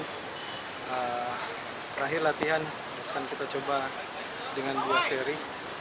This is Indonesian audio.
terakhir latihan kita coba dengan dua seri